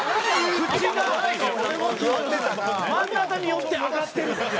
口が真ん中に寄って上がってる。